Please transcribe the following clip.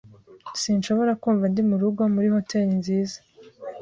Sinshobora kumva ndi murugo muri hoteri nziza.